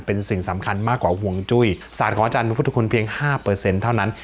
เป็นสิ่งสำคัญมากกว่าห่วงจุ้ยศาสตร์ของอาจารย์พระพุทธคุณเพียง๕เท่านั้น